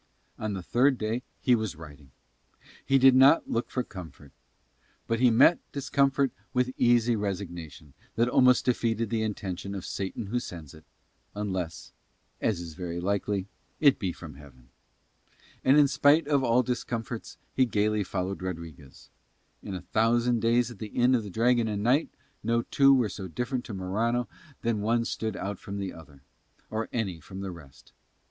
On the third day he was riding. He did not look for comfort. But he met discomfort with an easy resignation that almost defeated the intention of Satan who sends it, unless as is very likely it be from Heaven. And in spite of all discomforts he gaily followed Rodriguez. In a thousand days at the Inn of the Dragon and Knight no two were so different to Morano that one stood out from the other, or any from the rest.